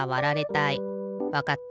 わかった。